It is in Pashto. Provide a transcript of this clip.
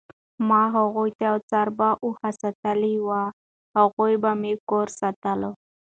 ما هغو ته یوه څربه اوښه ساتلې وه، هغه به مې کور ساتله،